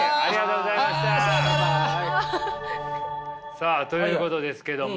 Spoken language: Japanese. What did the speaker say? さあということですけども。